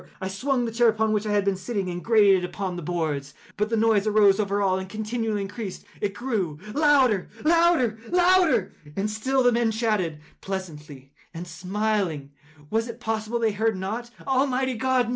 I swung the chair upon which I had been sitting, and grated it upon the boards, but the noise arose over all and continually increased. It grew louder—louder—louder! And still the men chatted pleasantly, and smiled. Was it possible they heard not? Almighty God!